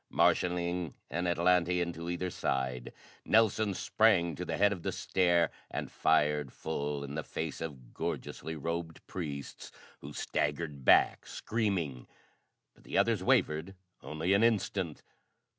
Marshalling an Atlantean to either side, Nelson sprang to the head of the stair and fired full in the face of gorgeously robed priests who staggered back screaming. But the others wavered only an instant.